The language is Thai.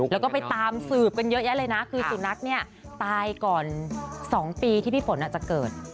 แล้วก็ไปตามสืบกันเยอะแยะเลยนะคือสุนัขเนี่ยตายก่อน๒ปีที่พี่ฝนอาจจะเกิด